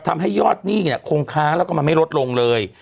ทำให้ยอดหนี้เนี่ยคงค้างแล้วก็มันไม่ลดลงเลย